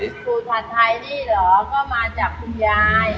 ซูทัศน์ไทยนี่หรอก็มาจากคุณยาย